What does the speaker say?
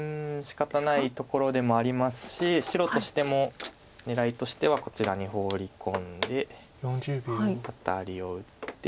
しかたないところでもありますし白としても狙いとしてはこちらにホウリ込んでアタリを打って。